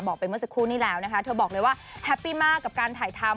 ไปเมื่อสักครู่นี้แล้วนะคะเธอบอกเลยว่าแฮปปี้มากกับการถ่ายทำ